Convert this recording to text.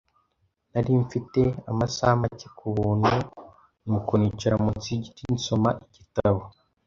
Nari mfite amasaha make ku buntu, nuko nicara munsi yigiti nsoma igitabo.